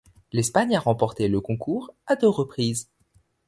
L’Espagne a remporté le concours à deux reprises.